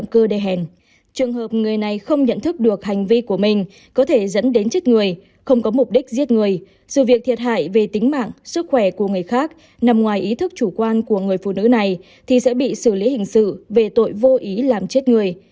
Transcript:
không có mục đích giết người dù việc thiệt hại về tính mạng sức khỏe của người khác nằm ngoài ý thức chủ quan của người phụ nữ này thì sẽ bị xử lý hình sự về tội vô ý làm chết người